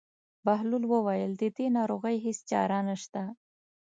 بهلول وویل: د دې ناروغۍ هېڅ چاره نشته.